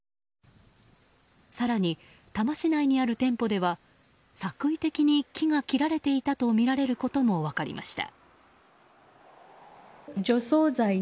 更に、多摩市内にある店舗では作為的に木が切られていたとみられることも分かりました。